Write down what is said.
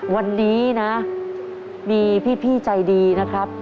วันนี้นะมีพี่ใจดีนะครับ